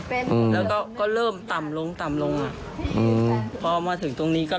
เป็นแล้วก็ก็เริ่มต่ำลงต่ำลงอ่ะอืมพอมาถึงตรงนี้ก็